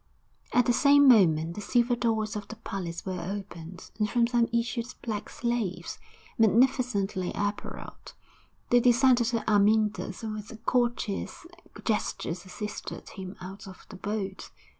XII At the same moment the silver doors of the palace were opened, and from them issued black slaves, magnificently apparelled; they descended to Amyntas and with courteous gestures assisted him out of the boat.